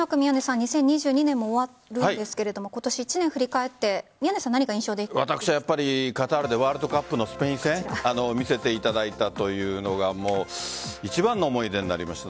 ２０２２年も終わるんですが今年１年振り返ってカタールでワールドカップのスペイン戦見せていただいたというのが一番の思い出になりました。